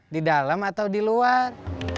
di dalam atau di luar